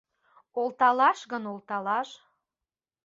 Олталаш гын, олталаш -